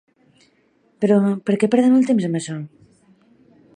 Però, per a què perdem el temps amb això?